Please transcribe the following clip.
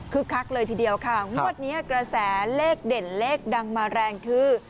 คักเลยทีเดียวค่ะงวดนี้กระแสเลขเด่นเลขดังมาแรงคือ